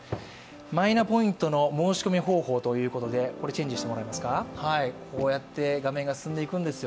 マイナポイントの申し込み方法ということで、こうやって画面が進んでいくんですよ。